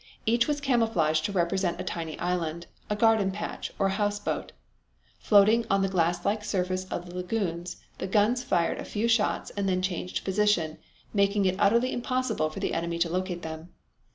Each was camouflaged to represent a tiny island, a garden patch, or a houseboat. Floating on the glasslike surface of the lagoons, the guns fired a few shots and then changed position, making it utterly impossible for the enemy to locate them.